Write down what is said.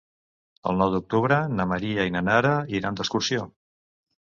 El nou d'octubre na Maria i na Nara iran d'excursió.